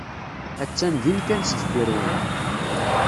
Attan din kan sdeffir-wen.